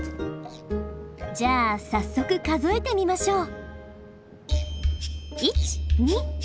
じゃあ早速数えてみましょう。